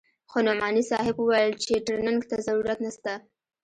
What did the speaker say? خو نعماني صاحب وويل چې ټرېننگ ته ضرورت نسته.